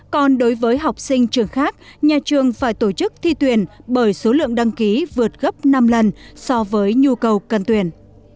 còn đối với học sinh trường khác nhà trường phải tổ chức thi tuyển bởi số lượng đăng ký vượt gấp năm lần so với nhu cầu cần tuyển